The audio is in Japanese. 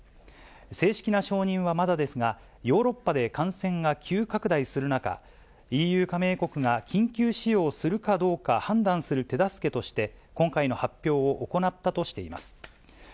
正式な承認はまだですが、ヨーロッパで感染が急拡大する中、ＥＵ加盟国が緊急使用するかどうか判断する手助けとして、今回の発表を行ったとしています。